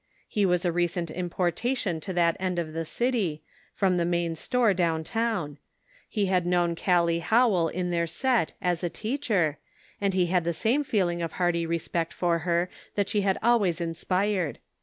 He was a recent importation to that end of the city, from the main store down town ; he had known Gallic Howell in their set as a teacher, and he had the same feeling of hearty respect for her that she had always inspired.